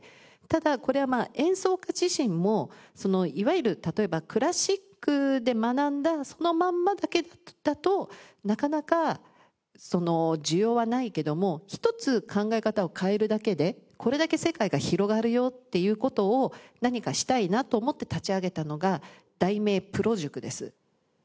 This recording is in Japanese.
ただこれはまあ演奏家自身もいわゆる例えばクラシックで学んだそのまんまだけだとなかなか需要はないけどもひとつ考え方を変えるだけでこれだけ世界が広がるよっていう事を何かしたいなと思って立ち上げたのが「題名プロ塾」です。